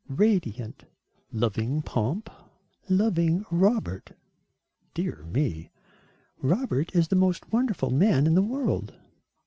"Radiant." "Loving pomp?" "Loving Robert." "Dear me." "Robert is the most wonderful man in the world."